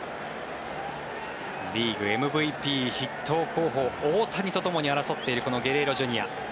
リーグＭＶＰ筆頭候補を大谷とともに争っているこのゲレーロＪｒ．。